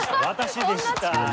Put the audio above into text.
私でした。